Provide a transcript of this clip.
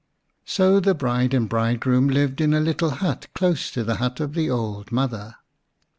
So the bride and bridegroom lived in a little hut close to the hut of the old mother.